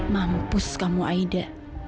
mampus kamu aida